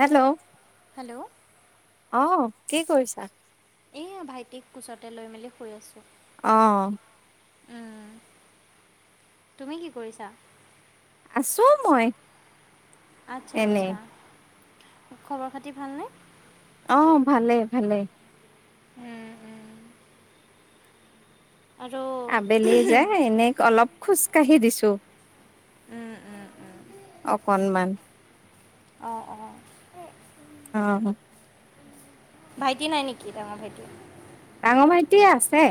Hello! Hello! অ, কি কৰিছা? এইয়া, ভাইটিক কোচতে লৈ মেলি শুই আছোঁ। অ। উম। তুমি কি কৰিছা? আছো মই। আচ্ছা এনেই আচ্ছা। খবৰ খাতি ভালনে? অ, ভালে ভালে। উম, উম। আৰু আবেলি যে, এনে অলপ খোজকাঢ়ি দিছো, উম, উম, উম। অকনমান। অঁ, অঁ। অ। ভাইটি নাই নেকি, ডাঙৰ ভাইটি? ডাঙ ভাইটি আছে।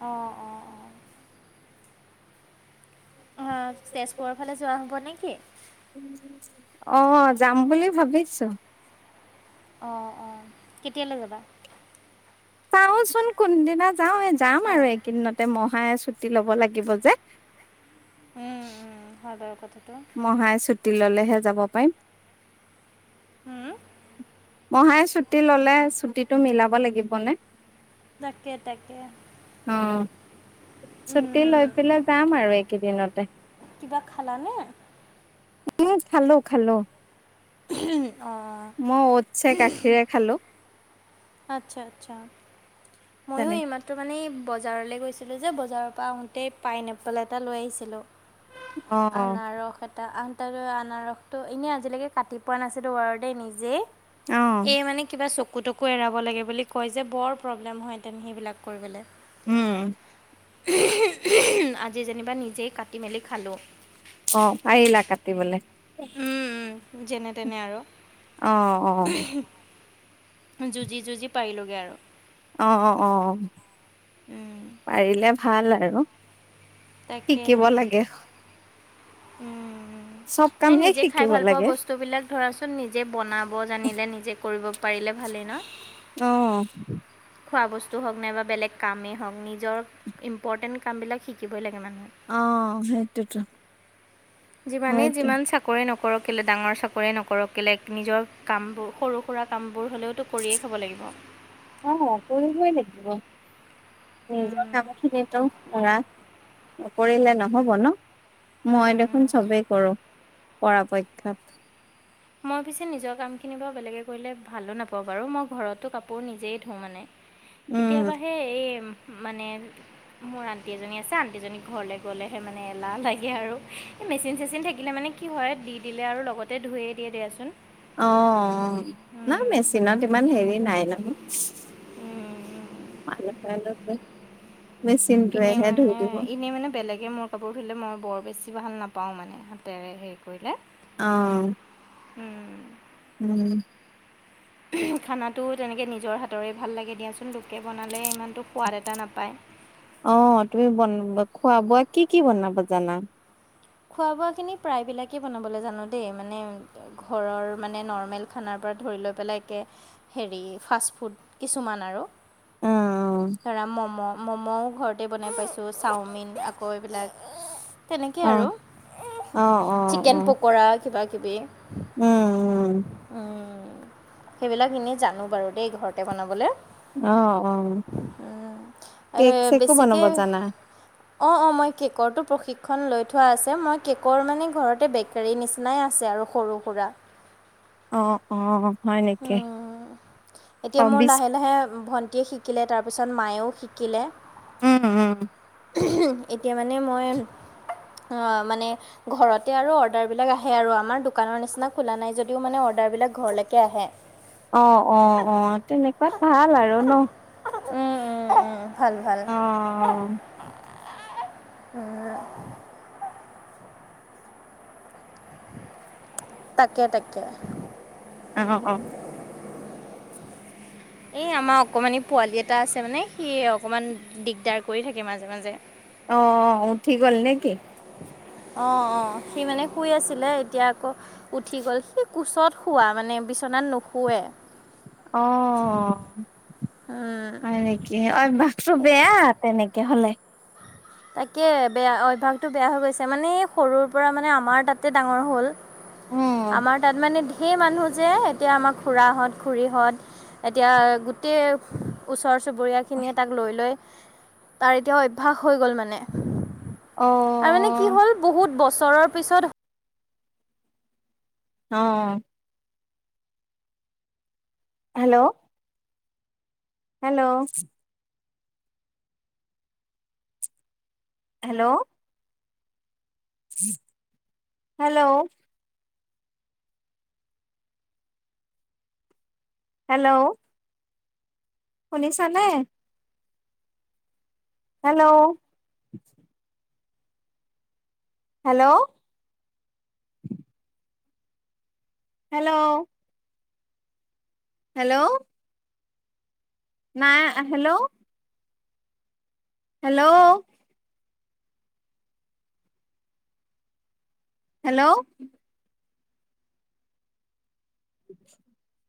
অ, অ। [unintelligible] তেজপুৰ ফালে যোৱা হ'ব নে কি? অঁ যাম বুলি ভাবিছো। অঁ অঁ কেতিয়ালৈ যাবা। চাওচোন কোনদিনা যাও যাম আৰু হয় এইকেইদিনতে মহাই ছুটি লব লাগিব যে। উম উম' হয় বাৰু কথাটো। মহাই ছুটি ললেহে যাব পাৰিম। হুউম' মহাই ছুটি ললে ছুটীটো মিলাব লাগিব নে? তাকে তাকে, অ ছুটি লৈ উম, পেলাই যাম আৰু এইকেইদিনতে। কিবা খালা নে? উম' খালো খালো। অঁ' মই ওতছে গাখীৰে খালো। আৎচ্ছা আৎচ্ছা ময়ো তেনে এইমাত- তো মানে বজাৰলৈ গৈছিলোঁ যে বজাৰৰ পৰা আহোঁতেই পাইন এপল এটা লৈ আহিছিলোঁ। অ আনাৰস এটা আন- তাৰ আনাৰসটো এনেই আজিলৈকে কাটি পোৱা নাছিলোঁ বাৰু দেই নিজেই, অ এই মানে- কিবা চকু তকু এৰাব লাগে বুলি কয় যে বৰ প্ৰব্লেম হয় তেন সেইবিলাক কৰিবলে। উম' আজি যেনিবা নিজেই কাটি মেলি খালো। অঁ পাৰিলা কাটিবলে। যেনে তেনে আৰু। অঁ অঁ। যুঁজি যুঁজি পাৰিলোঁগে আৰু। অঁ অঁ অঁ অঁ পাৰিলে ভাল আৰু। শিকিব তাকেহে, লাগে উম' চব এই কামেই নিজে খাই শিকিব ভাল পোৱা লাগে বস্তুবিলাক- ধৰাচোন নিজে বনাব জানিলে নিজে কৰিব পাৰিলে ভালেই ন। অঁ খোৱা বস্তু হওক নাইবা বেলেগ কামেই হওঁক নিজৰ ইম্পৰ্টেণ্ট কামবিলাক শিক- শিকিবই লাগে মানুহে। অঁ সেইটোৱেটো। যিমানেই যিমান চাক- কৰে নকৰক কেলে ডাঙৰ চাকৰিয়ে নকৰক কেলে নিজৰ কামবোৰ সৰু সুৰা কামবোৰ হ'লেওতো- কৰিয়েই খাব লাগিব। অঁ কৰিবই লাগিব নিজৰ কাম খিনিতো পুৰা। নকৰিলে নহব ন, মই দেখোন চবেই কৰো পৰাপক্ষত। মই পিছে নিজৰ কামখিনি বাৰু বেলেগে কৰিলে ভালো নাপাওঁ বাৰু মই ঘৰতো কাপোৰ নিজেই ধোওঁ মানে। [inaudible] কেতিয়াবাহে এই মানে- মোৰ আন্টি এজনী আছে আনটিজনী ঘৰলে গলেহে মানে এলাহ লাগে আৰু। এই মেচিন চেচিন থাকিলে মানে কি হয় দি দিলে আৰু লগতে ধুইৱে দিয়ে দিয়াচোন। অঁ না মেচিনত ইমান হেৰি নাই নহয়। [unintelligible] মেচিনটোৱেহে ধুই দিব। ই মানে বেলেগ মই কাপোৰ ধুলে মই বৰ বেছি ভাল নাপাওঁ মানে হাতেৰে হেৰি কৰিলে। অ'। উম। উম। খানাটো তেনেকৈ নিজৰ হাতৰে ভাল লাগে দিয়াচোন লোকে বনালে ইমানটো সোৱাদ এটা নাপায়। অ', তুমি বন খোৱা বোৱা কি, কি বনাব জানা? খোৱা বোৱা খিনি প্ৰায়বিলাকে বনাবলৈ জানো দেই মানে। ঘৰৰ মানে নৰ্মেল খানাৰ পৰা ধৰি লৈ পেলাই একে হেৰি ফাষ্টফুড কিছুমান আৰু অ ধৰা ম'ম'। ম'ম'ও ঘৰতে বনাই পাইছোঁ চাওমিন আকৌ এইবিলাক তেনেকৈ অ আৰু অ অ অ চিকেন পকৰা কিবা-কিবি উম উম উম। সেইবিলাক এনেই জানোঁ বাৰু দেই ঘৰতে বনাবলৈ। অ অ কেক চেকো বনাব বেছিকৈ অ', জানা অ', মই কে'কৰটো প্ৰশিক্ষণ লৈ থোৱা আছে। মই কেকৰ মানে ঘৰতে বেকাৰী নিচিনাই আছে আৰু সৰু সুৰা অ', অ'। হয় নেকি উম অ এতিয়া মোৰ বিচ লাহে লাহে ভন্টিয়ে শি শিকিলে তাৰপিছত মায়েও শিকিলে উম, উম। এতিয়া মানে মই আহ মানে ঘৰতে আৰু অৰ্ডাৰ বিলাক আহে আৰু আমাৰ দোকানৰ নিচিনা খোলা নাই যদিও মানে অৰ্ডাৰ বিলাক ঘৰলৈ কিয় হয় অ', অ', অ', তেনেকুৱাত ভাল আৰু ন। উম, উম, উম ভাল ভাল অ উম। তাকে, তাকে। অ', অ'। এই আমাৰ অকণমানি পোৱালি এটা আছে মানে সি অকণমান দিগদাৰ কৰি থাকে মাজে মাজে। অ', উঠি গ'ল নে কি। অ', অ', সি মানে শুই আছিলে এতিয়া আকৌ উঠি গ'ল সি কোচত শোৱা মানে বিচনাত নুশৱে। অ', হয় নেকি। কি অ', মাতটো বেয়া তেনেকে হ'লে তাকে বেয়া অভ্যাসটো বেয়া হৈ গৈছে মানে সৰুৰ পৰা মানে আমাৰ তাতে ডাঙৰ হ'ল। উম আমাৰ তাত মানে ঢেৰ মানুহ যে এতিয়া আমাৰ খুৰা হত খুড়ী হ'ত এতিয়া গোটেই ওচৰ চুবুৰীয়াক খিনিয়ে তাক লৈ লৈ তাৰ এতিয়াও অভ্যাস হৈ গ'ল মানে অ তাৰ মানে কি হ'ল বহুত বছৰৰ পিছত অ'। Hello. Hello. Hello. Hello. Hello! শুনিছা নে? হেল্ল! হেল্ল! হেল্ল! হেল্ল! নাই আ, হেল্ল! হেল্ল! হেল্ল! [inaudible]